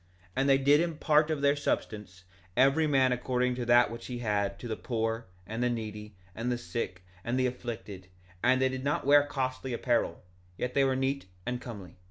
1:27 And they did impart of their substance, every man according to that which he had, to the poor, and the needy, and the sick, and the afflicted; and they did not wear costly apparel, yet they were neat and comely.